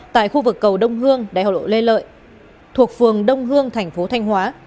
tại khu vực cầu đông hương đại học lộ lê lợi thuộc phường đông hương thành phố thanh hóa